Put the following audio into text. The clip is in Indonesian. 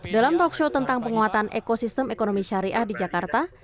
dalam talkshow tentang penguatan ekosistem ekonomi syariah di jakarta